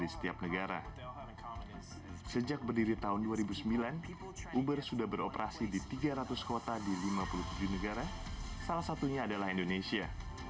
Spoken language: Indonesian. sejak berdiri tahun dua ribu sembilan uber sudah beroperasi di tiga ratus kota di lima puluh tujuh negara salah satunya adalah indonesia